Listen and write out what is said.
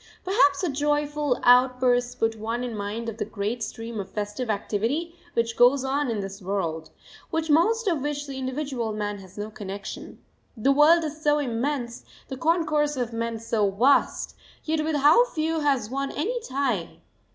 ] Perhaps such joyful outbursts put one in mind of the great stream of festive activity which goes on in this world, with most of which the individual man has no connection. The world is so immense, the concourse of men so vast, yet with how few has one any tie!